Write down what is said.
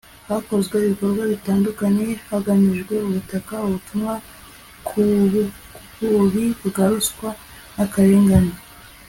hakozwe ibikorwa bitandukanye hagamijwe gutanga ubutumwa ku bubi bwa ruswa n'akarengane